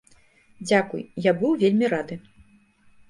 Дзякуй, я быў вельмі рады.